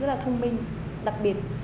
rất là thông minh đặc biệt